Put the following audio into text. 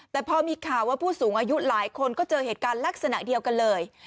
แต่พอมีข่าวว่าผู้สูงอายุหลายคนก็เจอเหตุการณ์ลักษณะเดียวกันเลย